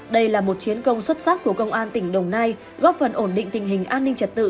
đây là một chiến công xuất sắc của công an tỉnh đồng nai góp phần ổn định tình hình an ninh trật tự